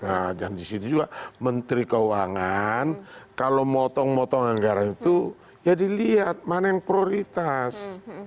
nah dan disitu juga menteri keuangan kalau motong motong anggaran itu ya dilihat mana yang prioritas